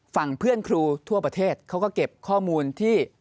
เพื่อนครูทั่วประเทศเขาก็เก็บข้อมูลที่